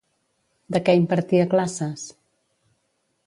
De què impartia classes?